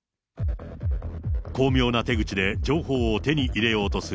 巧妙な手口で情報を手に入れようとする